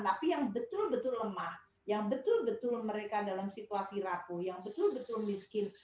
tapi yang betul betul lemah yang betul betul mereka dalam situasi raku yang betul betul miskin